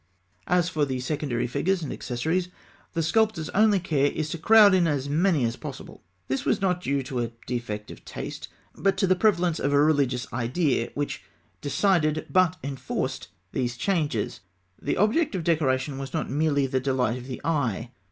As for the secondary figures and accessories, the sculptor's only care is to crowd in as many as possible. This was not due to a defect of taste, and to the prevalence of a religious idea which decided but enforced these changes. The object of decoration was not merely the delight of the eye.